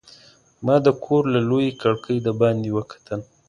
ما د کور له لویې کړکۍ د باندې وکتل.